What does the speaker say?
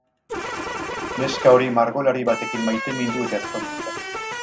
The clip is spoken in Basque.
Neska hori margolari batekin maitemindu eta ezkondu zen.